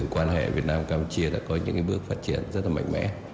quan hệ việt nam campuchia đã có những bước phát triển rất là mạnh mẽ